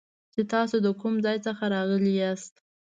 چې تاسو د کوم ځای څخه راغلي یاست